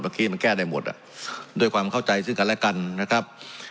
เมื่อกี้มันแก้ได้หมดอ่ะด้วยความเข้าใจซึ่งกันและกันนะครับ